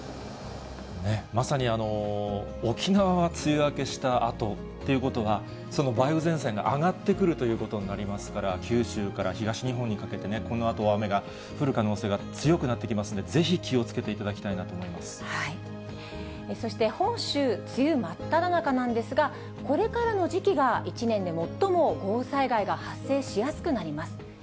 まさに沖縄は梅雨明けしたあとということが、その梅雨前線が上がってくるということになりますから、九州から東日本にかけて、このあと、雨が降る可能性が強くなってきますので、ぜひ気をつけていただきそして本州、梅雨真っただ中なんですが、これからの時期が１年で最も豪雨災害が発生しやすくなります。